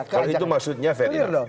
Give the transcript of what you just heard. kalau itu maksudnya fair dong